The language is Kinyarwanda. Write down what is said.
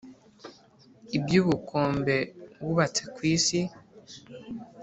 iby’ubukombe wubatse ku isi